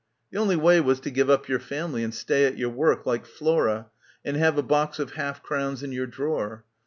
The only way was to give up your family and stay at your work, like Flora, and have a box of half crowns in your drawer.